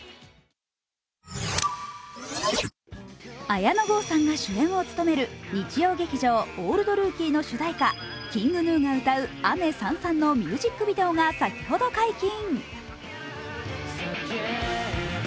綾野剛さんが主演を務める日曜劇場「オールドルーキー」の主題歌、ＫｉｎｇＧｎｕが歌う「雨燦々」のミュージックビデオが先ほど解禁。